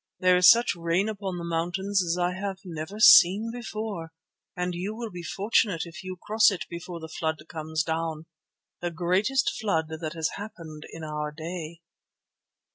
There is such rain upon the mountains as I have never seen before, and you will be fortunate if you cross it before the flood comes down, the greatest flood that has happened in our day."